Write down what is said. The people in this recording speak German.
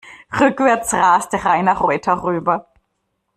Rückwärts raste Rainer Reuter rüber.